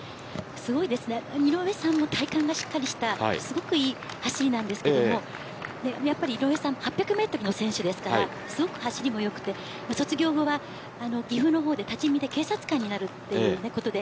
井上さんも体幹がしっかりしたすごくいい走りですが井上さんは８００メートルの選手ですからすごく走りも良くて卒業後は岐阜の方で多治見で警察官になるということです。